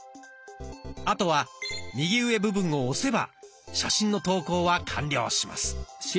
あとは右上部分を押せば写真の投稿は完了します。